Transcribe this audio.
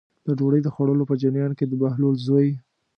د ډوډۍ د خوړلو په جریان کې د بهلول زوی.